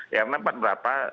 yang nampak berapa